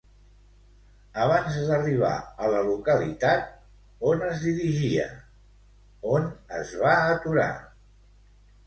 Abans d'arribar a la localitat on es dirigia, on es va aturar?